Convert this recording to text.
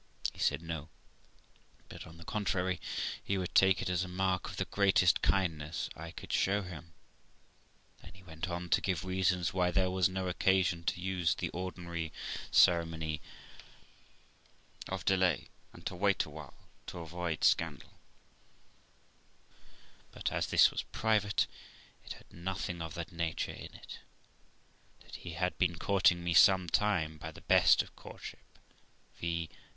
He said no ; but, on the contrary, he would take it as a mark of the greatest kindness I could show him. Then he went on to give reasons why there was no occasion to use the ordinary ceremony of delay, or to wait a reasonable time of courtship, which was only to avoid scandal; but, as this was private, it had nothing of that nature in it; that he had been courting me some time by the best of courtship, viz.